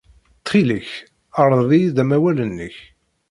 Ttxil-k, rḍel-iyi-d amawal-nnek.